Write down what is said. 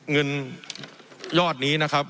เงินยอดนี้นะครับ